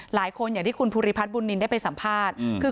พร้อมด้วยผลตำรวจเอกนรัฐสวิตนันอธิบดีกรมราชทัน